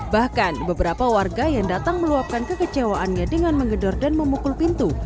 bahkan beberapa warga yang datang meluapkan kekecewaannya dengan mengedor dan memukul pintu